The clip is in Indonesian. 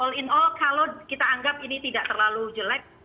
all in all kalau kita anggap ini tidak terlalu jelek